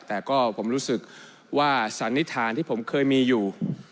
แต่ก็ผมรู้สึกว่าสันนิษฐานที่ผมเคยมีอยู่